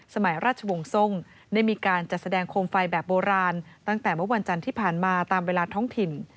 สมัยราชวงศ์ทรงได้มีการจัดแสดงโคมไฟแบบโบราณตั้งแต่เมื่อวันจันทร์ที่ผ่านมาตามเวลาท้องถิ่น